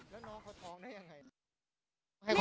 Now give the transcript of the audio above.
แล้วน้องเขาท้องได้ยังไง